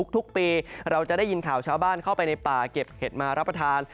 ทุกปีเราจะได้ยินข่าวชาวบ้านเข้าไปในป่าเก็บเห็ดมารับประทาน